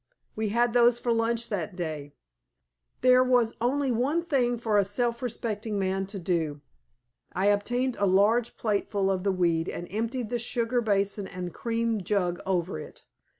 We had those for lunch that day. There was only one thing for a self respecting man to do. I obtained a large plateful of the weed and emptied the sugar basin and cream jug over it.